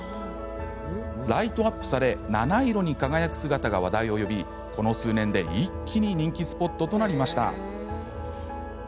ライトアップされ七色に輝く姿が話題を呼びこの数年で一気に人気スポットとなりました。